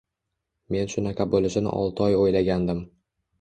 Men shunaqa boʻlishini olti oy oʻylagandim